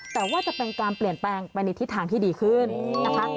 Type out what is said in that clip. แต่ว่าจะเป็นการเปลี่ยนแปลงไปในทิศทางที่ดีขึ้นนะคะ